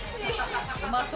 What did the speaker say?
うまそう。